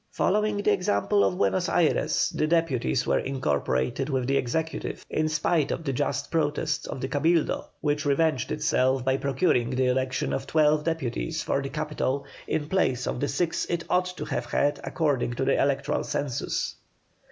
Following the example of Buenos Ayres, the Deputies were incorporated with the executive, in spite of the just protest of the Cabildo, which revenged itself by procuring the election of twelve deputies for the capital in place of the six it ought to have had according to the electoral census.